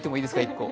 １個。